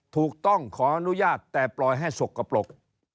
ถูกต้องขออนุญาตแต่ปล่อยให้สกปรก